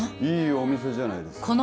いいお店じゃないですか